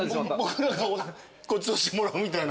僕らがごちそうしてもらうみたいな？